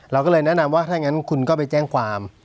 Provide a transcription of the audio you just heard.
เราก็เลยแนะนำว่าถ้างั้นคุณก็ไปแจ้งความ